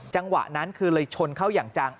จังหวะนั้นคือเลยชนเข้าอย่างจัง